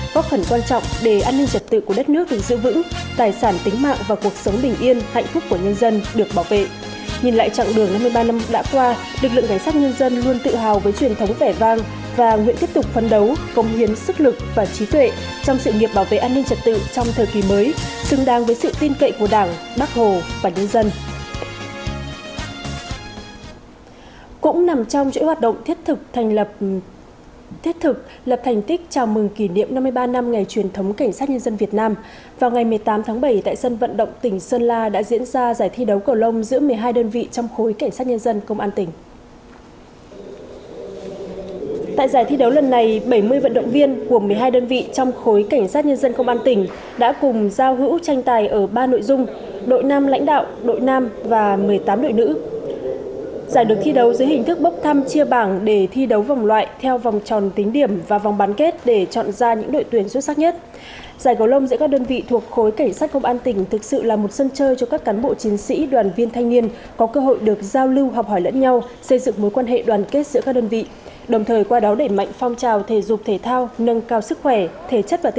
góp khẩn quan trọng để an ninh trật tự của đất nước được giữ vững tài sản tính mạng và cuộc sống bình yên hạnh phúc của nhân dân được bảo vệ